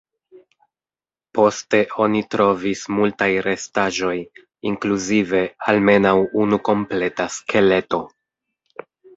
Poste oni trovis multaj restaĵoj, inkluzive almenaŭ unu kompleta skeleto.